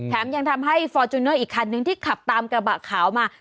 ยังทำให้ฟอร์จูเนอร์อีกคันนึงที่ขับตามกระบะขาวมา